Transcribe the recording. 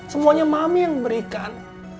semuanya mami yang memberikan